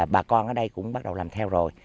bà con ở đây cũng bắt đầu làm theo rồi